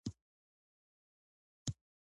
هغه هغې ته د سپوږمیز دښته ګلان ډالۍ هم کړل.